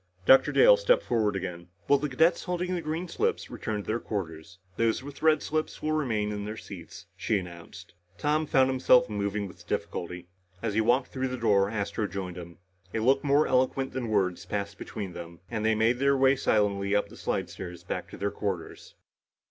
Dr. Dale stepped forward again. "Will the cadets holding green slips return to their quarters. Those with red slips will remain in their seats," she announced. Tom found himself moving with difficulty. As he walked through the door, Astro joined him. A look more eloquent than words passed between them and they made their way silently up the slidestairs back to their quarters.